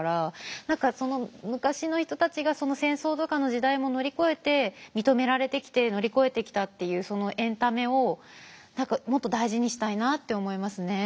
何かその昔の人たちがその戦争とかの時代も乗り越えて認められてきて乗り越えてきたっていうそのエンタメをもっと大事にしたいなって思いますね。